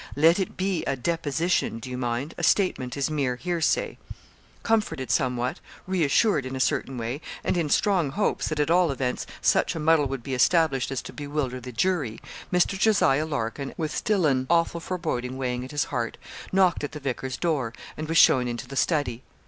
Let it be a deposition, do you mind; a statement is mere hearsay.' Comforted somewhat, reassured in a certain way, and in strong hopes that, at all events, such a muddle would be established as to bewilder the jury, Mr. Jos. Larkin, with still an awful foreboding weighing at his heart, knocked at the vicar's door, and was shown into the study.